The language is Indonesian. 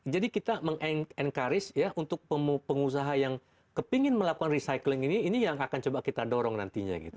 kita meng encourage ya untuk pengusaha yang kepingin melakukan recycling ini ini yang akan coba kita dorong nantinya gitu